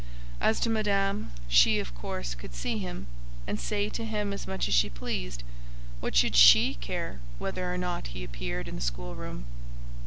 As to Madame, she of course could see him, and say to him as much as she pleased. What should she care whether or not he appeared in the schoolroom?